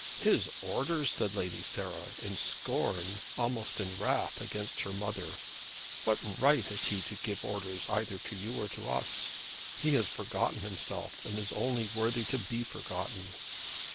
"His orders!" said Lady Sarah, in scorn, almost in wrath against her mother. "What right has he to give orders either to you or us? He has forgotten himself, and is only worthy to be forgotten."